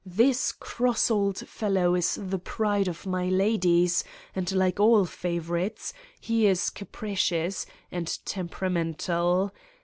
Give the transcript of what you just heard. This cross old fel low is the pride of my ladies, and like all favor ites, he is capricious, and temperamental.